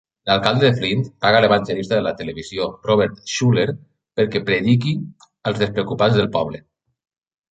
L'alcalde de Flint paga l'evangelista de la televisió Robert Schuller perquè prediqui als desocupats de poble.